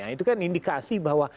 itu kan indikasi bahwa